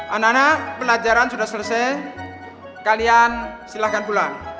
anak anak pelajaran sudah selesai kalian silahkan pulang